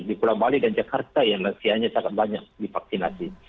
di pulau bali dan jakarta yang lansianya sangat banyak divaksinasi